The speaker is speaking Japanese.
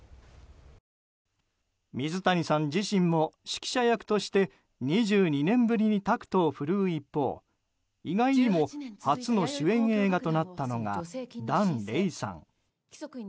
水谷さん自身も指揮者役として２２年ぶりにタクトを振るう一方以外にも初の主演映画となったのが檀れいさん。